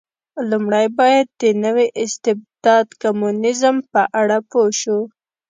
لومړی باید د نوي استبداد کمونېزم په اړه پوه شو.